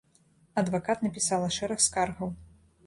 Адвакат напісала шэраг скаргаў.